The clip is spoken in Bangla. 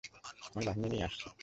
আমি বাহিনী নিয়ে আসছি।